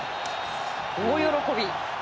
大喜び！